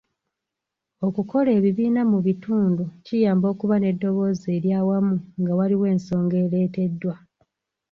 Okukola ebibiina mu bitundu kiyamba okuba n'eddoboozi ery'awamu nga waliwo ensonga ereeteddwa.